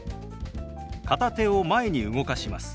片手を前に動かします。